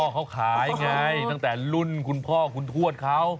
เขาขายไงตั้งแต่รุ่นคุณพ่อคุณทวดเขา